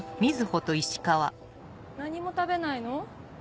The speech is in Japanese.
何も食べないの？